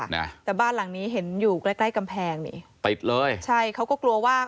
นะแต่บ้านหลังนี้เห็นอยู่ใกล้ใกล้กำแพงนี่ติดเลยใช่เขาก็กลัวว่า